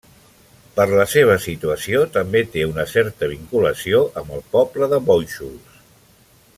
Per la seva situació, també té una certa vinculació amb el poble de Bóixols.